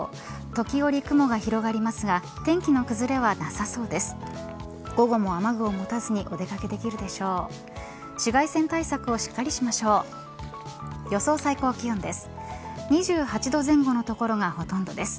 時折、雲が広がりますが天気の崩れはなさそうです。